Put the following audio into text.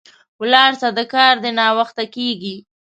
ولاړ سه، د کار دي ناوخته کیږي